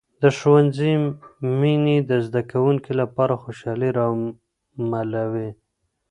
د ښوونځي مینې د زده کوونکو لپاره خوشحالي راملوي.